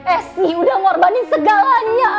esi udah ngorbanin segalanya